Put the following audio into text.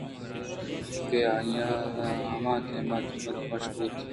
کہ آ ہما دمان ءَ تاہیر گپت ءُ وش بُوت